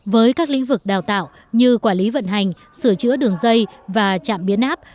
với các lĩnh vực đào tạo như quản lý vận hành sửa chữa đường dây và chạm biến áp